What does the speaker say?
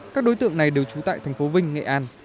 các đối tượng này đều trú tại thành phố vinh nghệ an